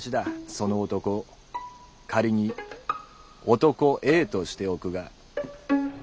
その男仮に「男Ａ」としておくが。